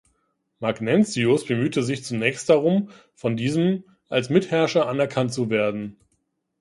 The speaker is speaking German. Magnentius bemühte sich zunächst darum, von diesem als Mitherrscher anerkannt zu werden.